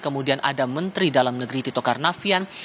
kemudian ada menteri dalam negeri tito karnavian